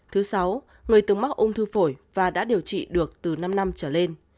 thứ sáu người từng mắc ung thư phổi và đã điều trị được từ năm năm trở lên